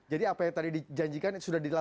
jadi apa yang tadi dijanjikan sudah dikirakan